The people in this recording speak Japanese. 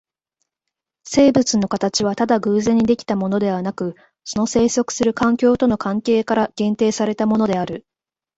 生物の形はただ偶然に出来たものでなく、その棲息する環境との関係から限定されたものである。